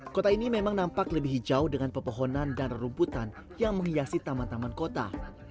kota ini memang nampak lebih hijau dengan pepohonan dan rumputan yang menghiasi taman taman kota